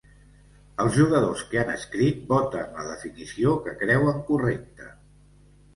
Els jugadors que han escrit voten la definició que creuen correcta.